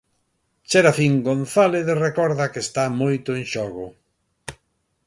Serafín González recorda que está moito en xogo.